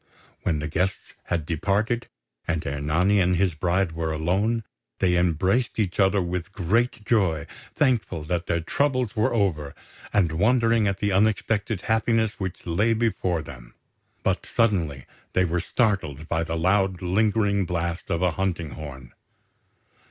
When the guests had departed, and Ernani and his bride were alone, they embraced each other with great joy, thankful that their troubles were over, and wondering at the unexpected happiness which lay before them; but suddenly they were startled by the loud lingering blast of a hunting horn.